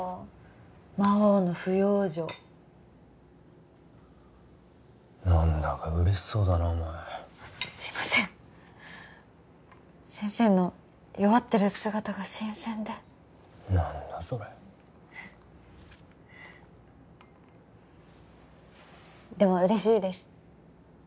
魔王の不養生何だか嬉しそうだなお前すいません先生の弱ってる姿が新鮮で何だそれでも嬉しいです